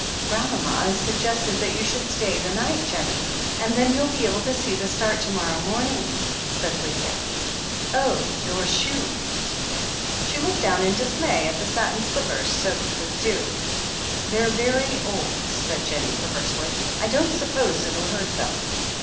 "Grandmama has suggested that you should stay the night, Jennie, and then you'll be able to see the start to morrow morning," said Lydia. "Oh — ^your shoes !" 364 THE HEEL OF ACHILLES She looked down in dismay at the satin slippers, soaked with dew. • "They're very old," said Jennie perversely. "I don't suppose it'll hurt them."